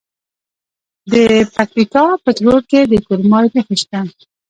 د پکتیکا په تروو کې د کرومایټ نښې شته.